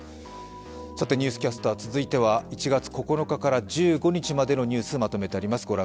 「ニュースキャスター」続いては１月９日から１５日までのニュースをまとめてあります。